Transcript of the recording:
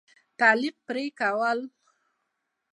تعلق پرې كول